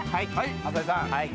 浅井さん。